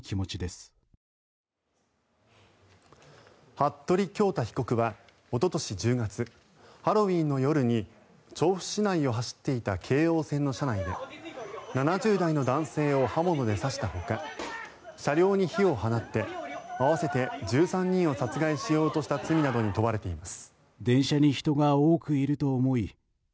服部恭太被告はおととし１０月ハロウィーンの夜に調布市内を走っていた京王線の車内で７０代の男性を刃物で刺したほか車両に火を放って合わせて１３人を殺害しようとした罪などに問われています。